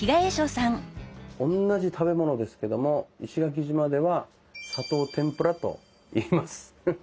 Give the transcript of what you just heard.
おんなじ食べ物ですけども石垣島では「砂糖てんぷら」といいます。